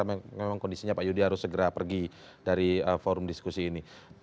memang kondisinya pak yudi harus segera pergi dari forum diskusi ini